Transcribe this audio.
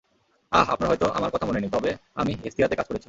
আহ, আপনার হয়তো আমার কথা মনে নেই, তবে আমি হেস্তিয়াতে কাজ করেছি।